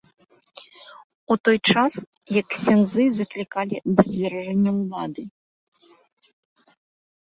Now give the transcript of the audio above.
У той час як ксяндзы заклікалі да звяржэння ўлады.